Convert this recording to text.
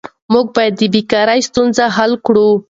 موږ باید د بیکارۍ ستونزه حل کړو.